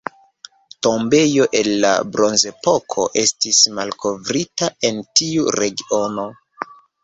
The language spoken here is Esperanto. Tombejo el la Bronzepoko estis malkovrita en tiu regiono.